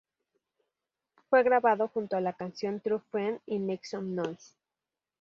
Fue grabado junto a la canción "True Friend" y "Make Some Noise".